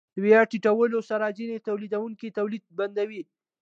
د بیې ټیټوالي سره ځینې تولیدونکي تولید بندوي